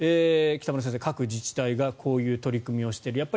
北村先生、各自治体がこういう取り組みをしている。